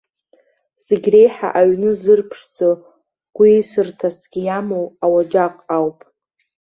Зегь реиҳа аҩны зырԥшӡо, гәеисырҭасгьы иамоу ауаџьаҟ ауп.